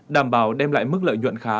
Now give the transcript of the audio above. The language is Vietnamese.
đảm bảo đem lại mức lợi nhuận khá